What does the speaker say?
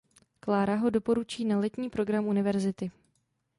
Clara ho doporučí na letní program univerzity.